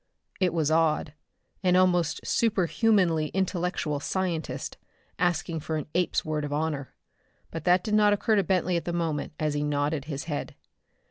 It was odd, an almost superhumanly intellectual scientist asking for an ape's word of honor, but that did not occur to Bentley at the moment, as he nodded his head.